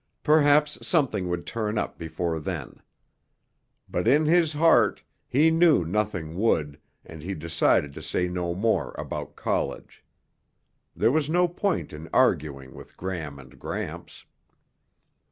Perhaps something would turn up before then. But in his heart he knew nothing would and he decided to say no more about college. There was no point in arguing with Gram and Gramps.